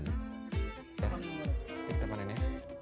nggak ada hama ya